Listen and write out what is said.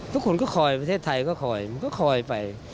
ทุกคนก็คอยประเทศไทยก็คอยมันก็คอยไป